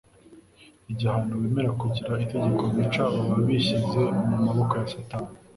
Igihe abantu bemera kugira itegeko bica baba bishyize mu maboko ya Satani.